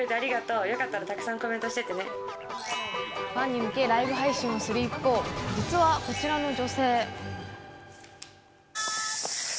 ファンに向けライブ配信をする一方実は、こちらの女性。